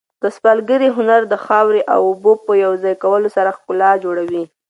د سفالګرۍ هنر د خاورې او اوبو په یو ځای کولو سره ښکلا جوړوي.